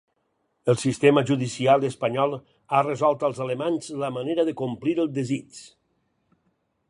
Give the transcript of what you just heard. El sistema judicial espanyol ha resolt als alemanys la manera de complir el desig.